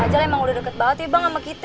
jalan emang udah deket banget ya bang sama kita